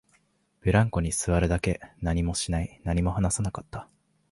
ブランコに座るだけ、何もしない、何も話さなかった